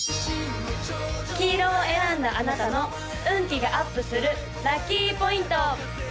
黄色を選んだあなたの運気がアップするラッキーポイント！